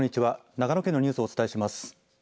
長野県のニュースをお伝えします。